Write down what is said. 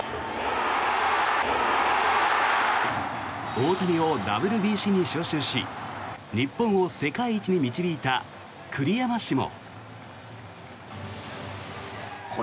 大谷をＷＢＣに招集し日本を世界一に導いた栗山氏も。